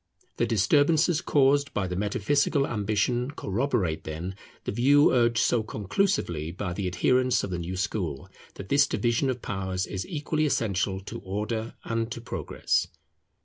The disturbances caused by metaphysical ambition corroborate, then, the view urged so conclusively by the adherents of the new school, that this division of powers is equally essential to Order and to Progress.